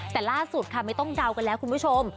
แต่ล่าสุดค่ะไม่ต้องเดากันแล้วคุณผู้ชม